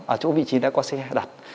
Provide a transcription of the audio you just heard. ở chỗ vị trí đã có xe đặt